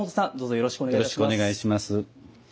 よろしくお願いします。